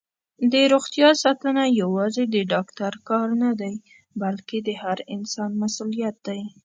دروغتیا ساتنه یوازې د ډاکټر کار نه دی، بلکې د هر انسان مسؤلیت دی.